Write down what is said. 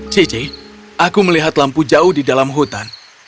cici aku melihat lampu jauh di dalam hutan